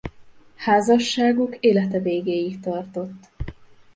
Házasságuk élete végéig tartott.